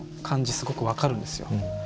すごく分かるんですよ。